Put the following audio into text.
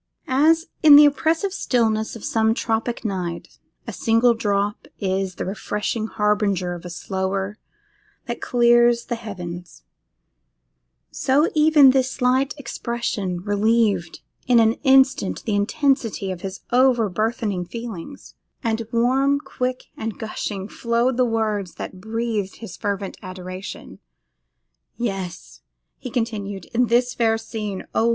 As, in the oppressive stillness of some tropic night, a single drop is the refreshing harbinger of a slower that clears the heavens, so even this slight expression relieved in an instant the intensity of his over burthened feelings, and warm, quick, and gushing flowed the words that breathed his fervid adoration. 'Yes!' he continued, 'in this fair scene, oh!